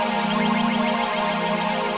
masa veel juga belum ceri